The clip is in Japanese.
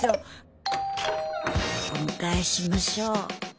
お迎えしましょう。